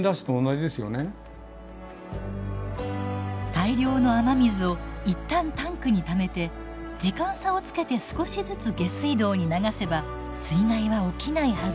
大量の雨水をいったんタンクにためて時間差をつけて少しずつ下水道に流せば水害は起きないはず。